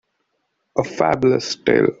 A Fabulous tale.